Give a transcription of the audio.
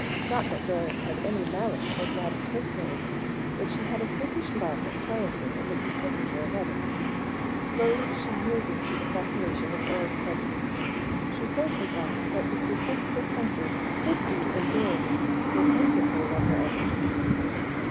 Not that Doris had any malice toward Mattie personally; but she had a freakish love of triumphing in the discomfiture of others. Slowly she yielded to the fascination of Earle's presence. She told herself that "the detestable country" could be endurable with him to play lover at her feet.